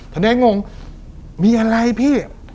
ธเนธงงมีอะไรพี่